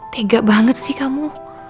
tega banget sih kamu